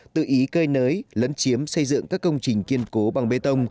tự ý cơi nới lấn chiếm xây dựng các công trình kiên cố bằng bê tông